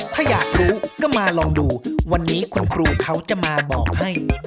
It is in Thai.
ถ้าอยากรู้ก็มาลองดูวันนี้คุณครูเขาจะมาบอกให้